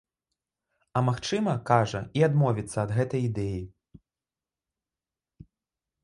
А магчыма, кажа, і адмовіцца ад гэтай ідэі.